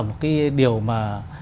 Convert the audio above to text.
một cái điều mà